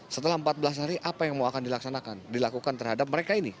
setelah empat belas hari apa yang mau akan dilaksanakan dilakukan terhadap mereka ini